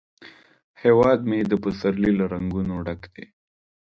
هیواد مې د پسرلي له رنګونو ډک دی